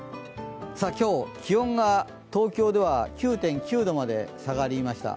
今日、気温が東京では９．９度まで下がりました。